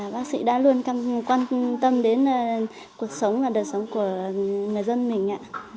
bác sĩ đã luôn quan tâm đến cuộc sống và đời sống của người dân mình